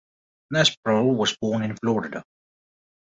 Nespral was born in Florida.